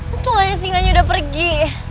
untungnya singanya sudah pergi